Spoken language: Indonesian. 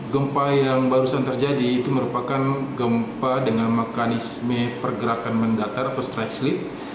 gempa yang baru saja terjadi merupakan gempa dengan mekanisme pergerakan menggatar atau stretch slip